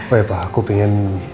oh iya pak aku pengen